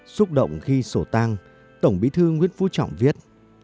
xúc động khi sổ tang tổng bí thư nguyễn phú trọng viết